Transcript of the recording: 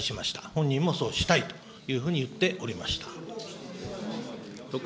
本人もそうしたいというふうに言っておりました。